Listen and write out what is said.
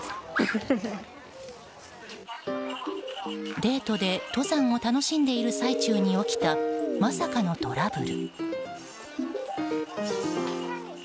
デートで登山を楽しんでいる最中に起きたまさかのトラブル。